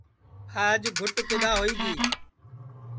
آج گُٹ کِدؔا ہوئی گی